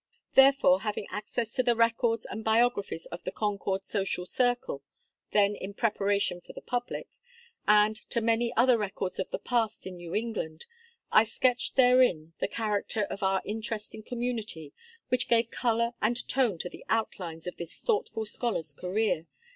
Therefore, having access to the records and biographies of the Concord "Social Circle," then in preparation for the public, and to many other records of the past in New England, I sketched therefrom the character of our interesting community, which gave color and tone to the outlines of this thoughtful scholar's career.